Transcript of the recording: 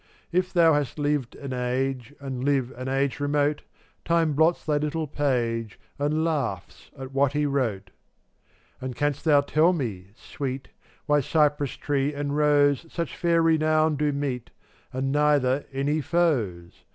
If thou hast lived an age, And live an age remote, Time blots thy little page And laughs at what he wrote. 462 And canst thou tell me, Sweet, Why cypress tree and rose Such fair renown do meet, And neither any foes?